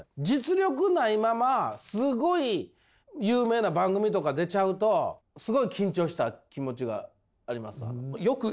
実力ないまますごい有名な番組とか出ちゃうとすごい緊張した気持ちがありますわ。